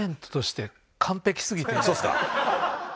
そうですか？